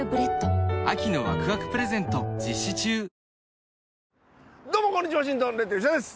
続くどうもこんにちワシントンレッド吉田です。